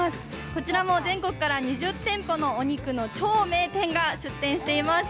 こちらも全国から２０店舗のお肉の超名店が出店しています。